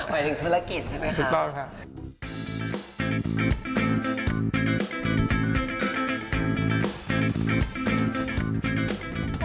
หมายถึงธุรกิจใช่ไหมคะถูกต้องค่ะ